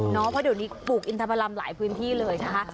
เพราะเดี๋ยวนี้ปลูกอินทพรรมหลายพื้นที่เลยนะคะ